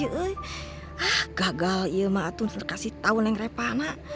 hah gagal ia mah atun kasih tau yang repa nak